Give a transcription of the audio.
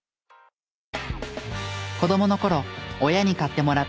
子供の頃親に買ってもらったグローブ。